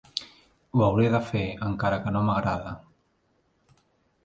Ho hauré de fer, encara que no m'agrada!